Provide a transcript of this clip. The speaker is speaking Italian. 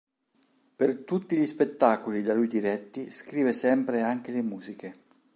Per tutti gli spettacoli da lui diretti, scrive sempre anche le musiche.